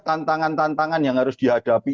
tantangan tantangan yang harus dihadapi